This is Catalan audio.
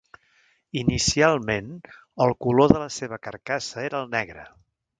Inicialment, el color de la seva carcassa era el negre.